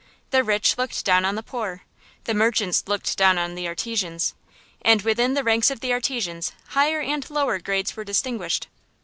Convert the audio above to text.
The rich looked down on the poor, the merchants looked down on the artisans, and within the ranks of the artisans higher and lower grades were distinguished.